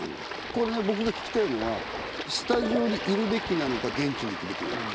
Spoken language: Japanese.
これね僕が聞きたいのはスタジオにいるべきなのか現地に行くべきなのか。